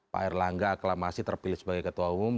pak erlangga aklamasi terpilih sebagai ketua umum